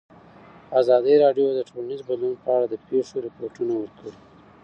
ازادي راډیو د ټولنیز بدلون په اړه د پېښو رپوټونه ورکړي.